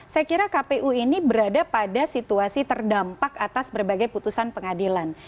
saya kira kpu ini berada pada situasi terdampak atas berbagai putusan pengadilan